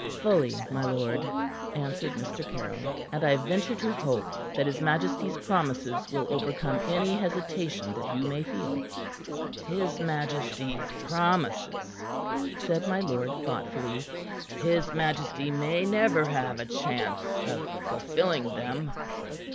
"Fully, my lord," answered Mr. Caryll, "and I venture to hope that his majesty's promises will overcome any hesitation that you may feel." "His majesty's promises?" said my lord thoughtfully. "His majesty may never have a chance of fulfilling them."